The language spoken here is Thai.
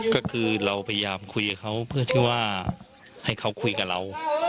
ก็คือเราพยายามคุยกับเขาเพื่อที่ว่าให้เขาคุยกับเรา